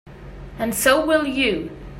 And so will you.